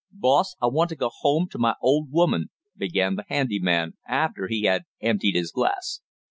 "Boss, I want to go home to my old woman!" began the handy man, after he had emptied his glass.